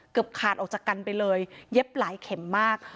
ขาดออกจากกันไปเลยเย็บหลายเข็มมาก